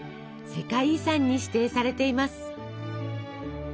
世界遺産に指定されています。